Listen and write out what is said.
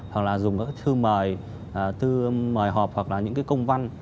hoặc là dùng các thư mời thư mời họp hoặc là những cái công văn